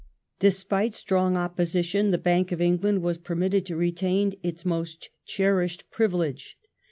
Despite strong opposition, the Bank of England was permitted to retain its most cherished privilege.